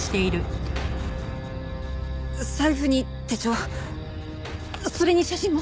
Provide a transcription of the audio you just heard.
財布に手帳それに写真も！